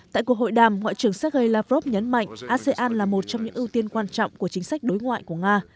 tại cuộc hội đàm ngoại trưởng sergei lavrov nhấn mạnh asean là một trong những ưu tiên quan trọng của chính sách đối ngoại của nga